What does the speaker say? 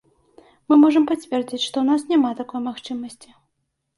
Мы можам пацвердзіць, што ў нас няма такой магчымасці.